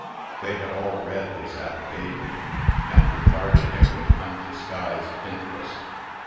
They had all read his affidavit, and regarded him with undisguised interest.